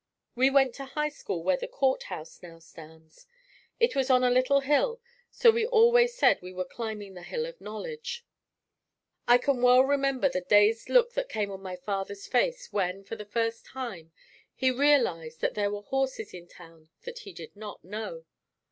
We went to high school where the court house now stands. It was on a little hill, so we always said we were climbing the "Hill of Knowledge." I can well remember the dazed look that came on my father's face when for the first time, he realized that there were horses in town that he did not know.